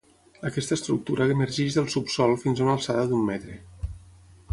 Aquesta estructura emergeix del subsòl fins a una alçada d'un metre.